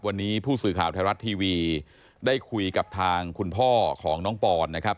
วันนี้ผู้สื่อข่าวไทยรัฐทีวีได้คุยกับทางคุณพ่อของน้องปอนนะครับ